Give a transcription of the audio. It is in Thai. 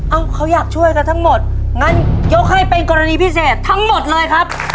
เขาอยากช่วยกันทั้งหมดงั้นยกให้เป็นกรณีพิเศษทั้งหมดเลยครับ